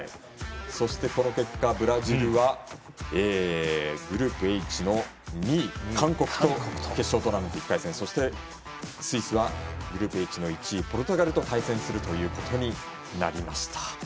この結果ブラジルはグループＨの２位韓国と決勝トーナメント１回戦そしてスイスはグループＨの１位ポルトガルと対戦することになりました。